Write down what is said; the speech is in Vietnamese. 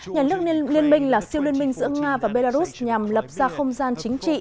nhà nước liên minh là siêu liên minh giữa nga và belarus nhằm lập ra không gian chính trị